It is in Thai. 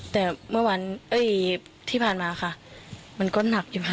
แต่ที่ผ่านมาค่ะมันก็หนักอยู่ค่ะ